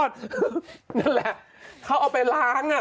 เช็ดแรงไปนี่